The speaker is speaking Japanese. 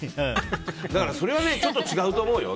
それは、ちょっと違うと思うよ。